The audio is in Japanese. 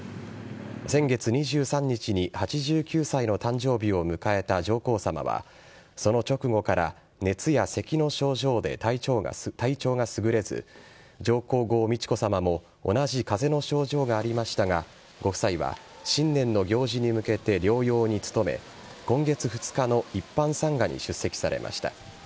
先月２３日に８９歳の誕生日を迎えた上皇さまは、その直後から、熱やせきの症状で体調がすぐれず、上皇后美智子さまも同じかぜの症状がありましたが、ご夫妻は新年の行事に向けて療養に努め、今月２日の一般参賀に出席されました。